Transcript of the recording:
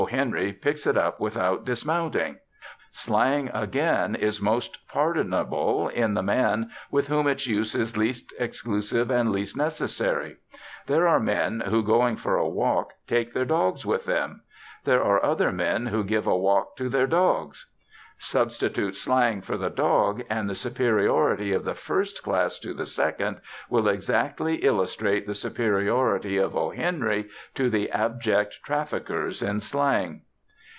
Henry picks it up without dismounting. Slang, again, is most pardonable in the man with whom its use is least exclusive and least necessary. There are men who, going for a walk, take their dogs with them; there are other men who give a walk to their dogs. Substitute slang for the dog, and the superiority of the first class to the second will exactly illustrate the superiority of O. Henry to the abject traffickers in slang.